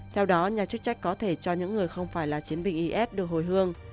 theo đó nhà chức trách có thể cho những người không phải là chiến binh if được hồi hương